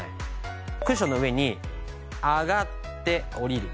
クッションの上に上がって下りる。